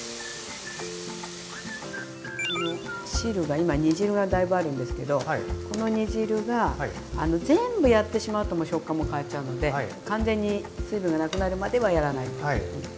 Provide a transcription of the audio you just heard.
今煮汁がだいぶあるんですけどこの煮汁が全部やってしまうともう食感も変わっちゃうので完全に水分がなくなるまではやらない。